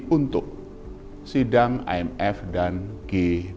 untuk sidang imf dan g dua puluh